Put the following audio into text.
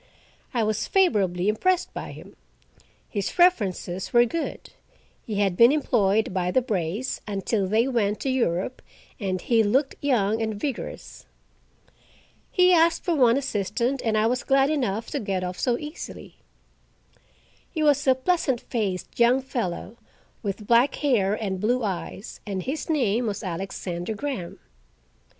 I was favorably impressed by him. His references were good—he had been employed by the Brays' until they went to Europe, and he looked young and vigorous. He asked for one assistant, and I was glad enough to get off so easily. He was a pleasant faced young fellow, with black hair and blue eyes, and his name was Alexander Graham.